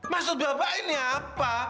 maksud bapak ini apa